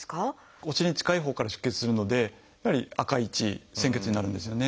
お尻に近いほうから出血するのでやはり赤い血鮮血になるんですよね。